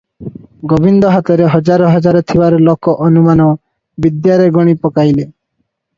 ଗୋବିନ୍ଦ ହାତରେ ହଜାର ହଜାର ଥିବାର ଲୋକ ଅନୁମାନ ବିଦ୍ୟାରେ ଗଣି ପକାଇଥିଲେ ।